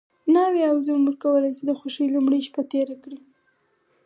ناوې او زوم وکولی شي د خوښۍ لومړۍ شپه تېره کړي.